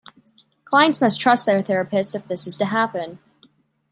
Clients must trust their therapist if this is to happen.